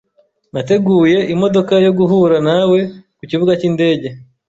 Nateguye imodoka yo guhura nawe kukibuga cyindege.